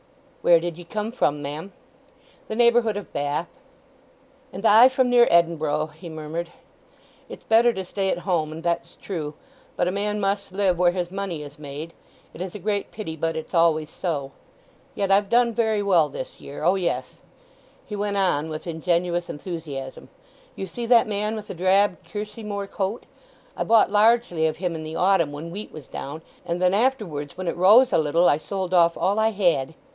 "Where did ye come from, ma'am?" "The neighbourhood of Bath." "And I from near Edinboro'," he murmured. "It's better to stay at home, and that's true; but a man must live where his money is made. It is a great pity, but it's always so! Yet I've done very well this year. O yes," he went on with ingenuous enthusiasm. "You see that man with the drab kerseymere coat? I bought largely of him in the autumn when wheat was down, and then afterwards when it rose a little I sold off all I had!